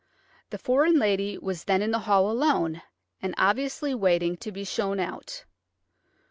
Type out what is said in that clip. The foreign lady was then in the hall alone, and obviously waiting to be shown out.